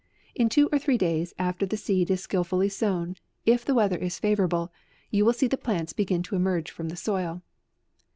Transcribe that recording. In two or three days after the seed is skil fully sown, if the weather is favourable, you will see the plants begin to emerge from the soil.